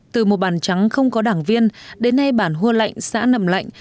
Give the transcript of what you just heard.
từ một bản trắng không có đảng viên đến nay bản hua lạnh xã nầm lạnh